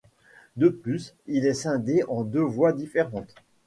De plus, il est scindé en deux voies différentes.